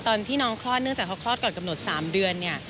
ตอนที่น้องคลอดเนื่องจากเขาคลอดก่อนกำหนด๓เดือนเนี่ย